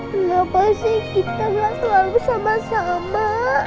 kenapa sih kita gak keluar bersama sama